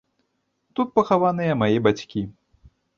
Тут пахаваныя мае бацькі.